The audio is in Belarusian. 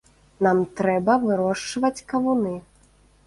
Нам трэба вырошчваць кавуны.